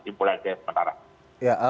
kecimpulan saya sementara